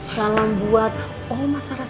salam buat oma saras sama opa surat